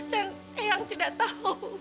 dan eang tidak tahu